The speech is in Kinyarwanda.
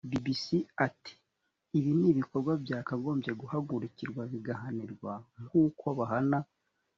bbc ati ibi ni ibikorwa byakagombye guhagurikirwa bigahanirwa nk uko bahana